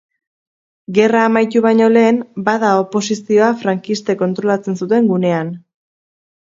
Gerra amaitu baino lehen, bada oposizioa frankistek kontrolatzen zuten gunean.